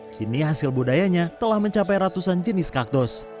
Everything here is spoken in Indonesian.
kini hasil budayanya telah mencapai ratusan jenis kaktus